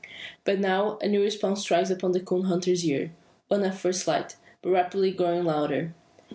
But now a new noise strikes upon the coon hunter's ears; one at first slight, but rapidly growing louder.